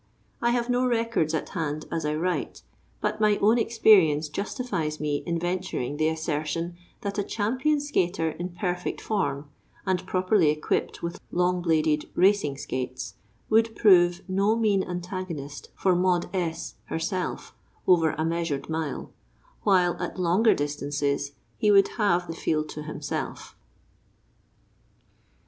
I have no records at hand as I write, but my own experience justifies me in venturing the assertion that a champion skater in perfect form, and properly equipped with long bladed racing skates, would prove no mean antagonist for Maud S—— herself over a measured mile, while at longer distances he would have the field to himself.